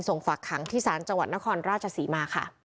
ฝากขังที่ศาลจังหวัดนครราชศรีมาค่ะ